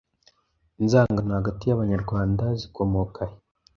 inzangano hagati y’Abanyarwanda zikomoka he?